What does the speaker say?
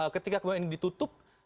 ketika kemudian ditutup